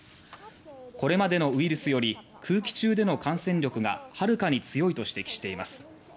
「これまでのウイルスより空気中での感染力がはるかに強い」と指摘しています。